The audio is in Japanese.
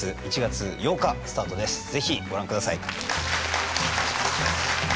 是非ご覧ください。